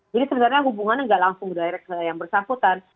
jadi sebenarnya hubungannya nggak langsung direct ke yang bersakbutan